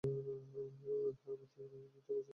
আমাকে মৃত ঘোষণা করা হয়েছে।